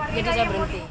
jadi saya berhenti